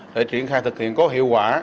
để triển khai thực hiện có hiệu quả